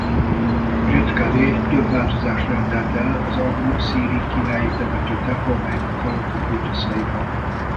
Dzsedkaré több változást rendelt el az abu-szíri királyi temető templomainak halotti kultuszaiban.